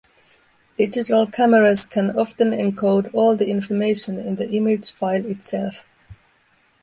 Digital cameras can often encode all the information in the image file itself.